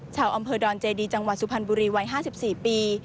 ชาวอำเภอดอนเจดีจังหวัดสุพรรณบุรีวัย๕๔ปี